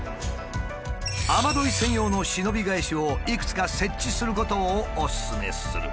雨どい専用の忍び返しをいくつか設置することをおすすめする。